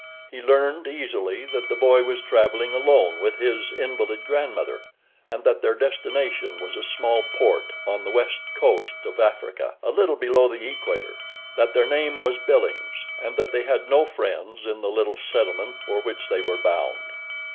He learned, easily, that the boy was traveling alone with his invalid grandmother, and that their destination was a small port on the west coast of Africa, a little below the equator; that their name was Billings, and that they had no friends in the little settlement for which they were bound.